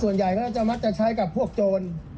ส่วนใหญ่ก็น่าจะมักจะใช้กับพวกโจร